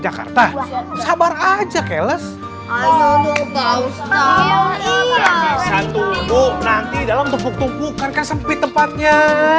jakarta sabar aja kelas ayo bau bau nanti dalam tumpuk tumpukan ke sempit tempatnya